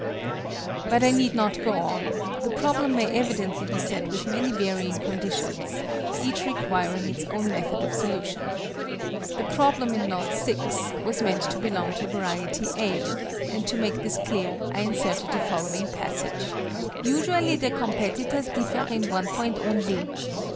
But I need not go on: the problem may evidently be set with many varying conditions, each requiring its own method of solution. The Problem in Knot VI. was meant to belong to variety (a), and to make this clear, I inserted the following passage: "Usually the competitors differ in one point only.